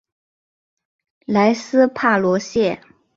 莱斯帕罗谢。